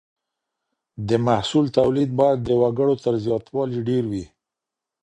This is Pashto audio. د محصول توليد بايد د وګړو تر زياتوالي ډېر وي.